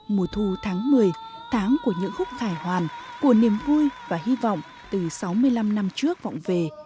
mùa thu tháng một mươi tháng của những khúc khải hoàn của niềm vui và hy vọng từ sáu mươi năm năm trước vọng về